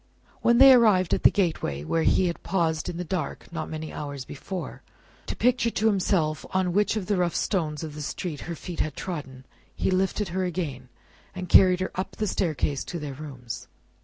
When they arrived at the gateway where he had paused in the dark not many hours before, to picture to himself on which of the rough stones of the street her feet had trodden, he lifted her again, and carried her up the staircase to their rooms.